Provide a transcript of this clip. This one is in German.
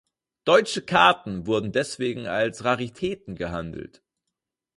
Deutsche Karten wurden deswegen als Raritäten gehandelt.